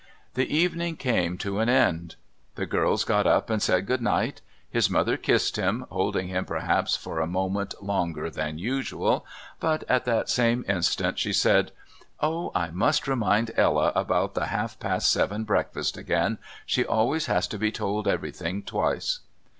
The evening came to an end. The girls got up and said good night. His mother kissed him, holding him perhaps for a moment longer than usual, but at that same instant she said: "Oh, I must remind Ella about the half past seven breakfast again, she always has to be told everything twice."